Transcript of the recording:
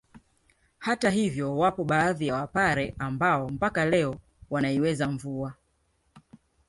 Hata hivyo wapo baadhi ya wapare ambao mpaka leo wanaiweza mvua